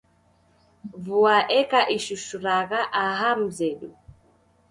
Vua eka ishushuragha aha mzedu.